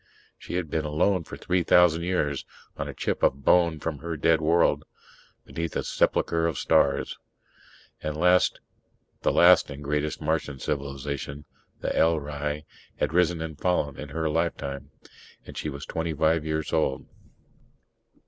She had been alone for three thousand years, on a chip of bone from her dead world beneath a sepulchre of stars. The last and greatest Martian civilization, the L'hrai, had risen and fallen in her lifetime. And she was twenty five years old.